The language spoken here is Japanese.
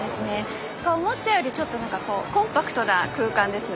思ったよりちょっと何かコンパクトな空間ですね。